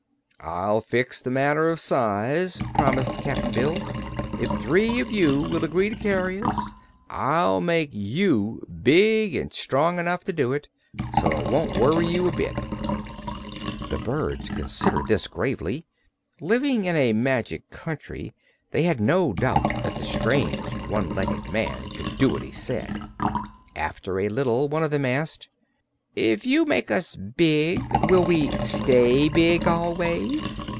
"I'll fix the matter of size," promised Cap'n Bill. "If three of you will agree to carry us, I'll make you big an' strong enough to do it, so it won't worry you a bit." The birds considered this gravely. Living in a magic country, they had no doubt but that the strange one legged man could do what he said. After a little, one of them asked: "If you make us big, would we stay big always?"